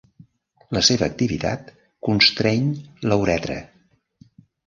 La seva activitat constreny la uretra.